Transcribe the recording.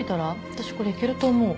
私これいけると思う。